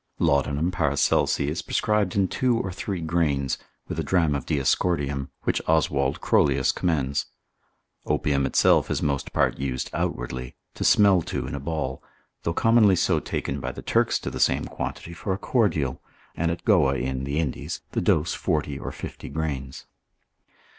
Laudanum Paracelsi is prescribed in two or three grains, with a dram of Diascordium, which Oswald. Crollius commends. Opium itself is most part used outwardly, to smell to in a ball, though commonly so taken by the Turks to the same quantity for a cordial, and at Goa in, the Indies; the dose 40 or 50 grains.